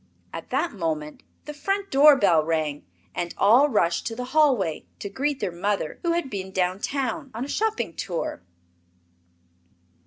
At that moment the front door bell rang, and all rushed to the hallway, to greet their mother, who had been down town, on a shopping tour.